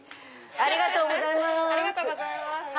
ありがとうございます。